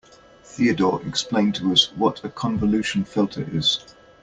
Theodore explained to us what a convolution filter is.